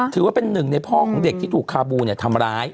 ถือว่าเป็นหนึ่งในพ่อของเด็กที่ถูกคาบูทำร้าย